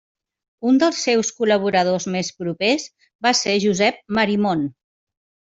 Un dels seus col·laboradors més propers va ser Josep Marimon.